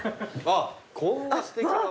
あっこんなすてきな。